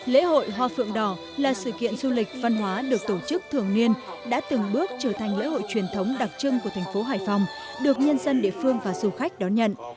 lễ hội hoa phượng đỏ là sự kiện du lịch văn hóa được tổ chức thường niên đã từng bước trở thành lễ hội truyền thống đặc trưng của thành phố hải phòng được nhân dân địa phương và du khách đón nhận